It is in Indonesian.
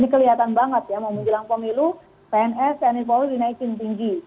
ini kelihatan banget ya mau menjelang pemilu pns tni polri dinaikin tinggi